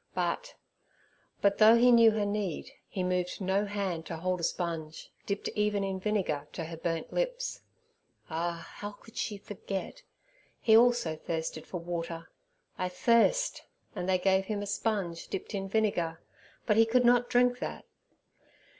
But—but though He knew her need, He moved no hand to hold a sponge, dipped even in vinegar, to her burnt lips. Ah! how could she forget? He also thirsted for water. 'I thirst'; and they gave Him a sponge dipped in vinegar, but He could not drink that.